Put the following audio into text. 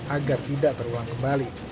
agar tidak terulang kembali